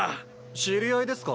知り合いですか？